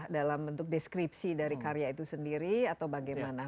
dalam bentuk deskripsi dari karya itu sendiri atau bagaimana